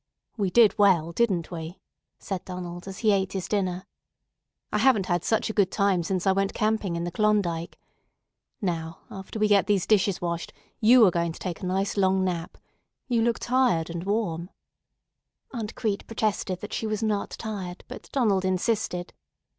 "We did well, didn't we?" said Donald as he ate his dinner. "I haven't had such a good time since I went camping in the Klondike. Now after we get these dishes washed you are going to take a nice long nap. You look tired and warm." Aunt Crete protested that she was not tired, but Donald insisted.